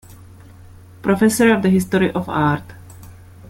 Professor of the History of Art.